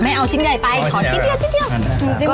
ไม่เอาชิ้นใหญ่ไปขอชิ้นเดียว